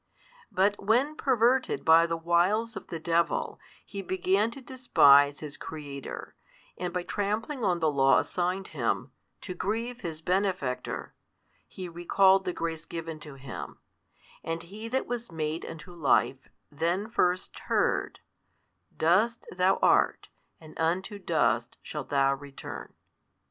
But when perverted by the wiles of the devil, he began to despise his Creator, and by trampling on the law assigned him, to grieve his Benefactor, He recalled the grace given to him, and he that was made unto life then first heard Dust thou art, and unto dust shalt thou return.